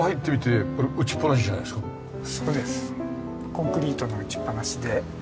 コンクリートの打ちっぱなしで。